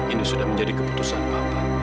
ini sudah menjadi keputusan bapak